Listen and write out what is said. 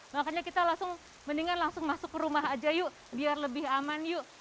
makanya kita langsung mendingan langsung masuk ke rumah aja yuk biar lebih aman yuk